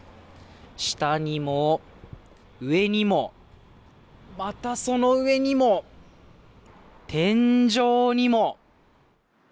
下にも、上にもまたその上にも天井にも。